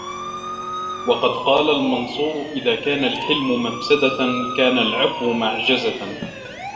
وَقَدْ قَالَ الْمَنْصُورُ إذَا كَانَ الْحِلْمُ مَفْسَدَةً كَانَ الْعَفْوُ مَعْجَزَةً